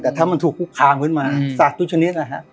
แต่ถ้ามันถูกคุกคามขึ้นมาสัตว์ทุกชนิดนะฮะ